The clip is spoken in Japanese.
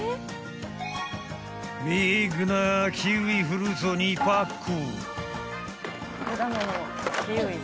［ビッグなキウイフルーツを２パック］